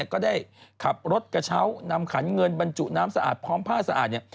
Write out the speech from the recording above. ก็ได้ขับรถกระเช้านำขันเงินบรรจุน้ำสะอาดพร้อมผ้าสะอาดเนี่ย